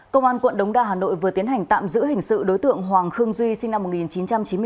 công an quận đống đa hà nội vừa tiến hành tạm giữ hình sự đối tượng hoàng khương duy sinh năm một nghìn chín trăm chín mươi bốn